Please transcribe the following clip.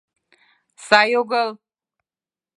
Сай огыл!